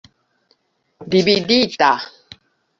dividita